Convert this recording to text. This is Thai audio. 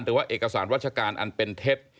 หรือว่าเอกสารราชการอันเป็นเท็จ